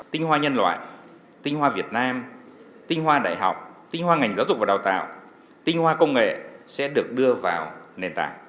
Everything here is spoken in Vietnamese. tinh hoa nhân loại tinh hoa việt nam tinh hoa đại học tinh hoa ngành giáo dục và đào tạo tinh hoa công nghệ sẽ được đưa vào nền tảng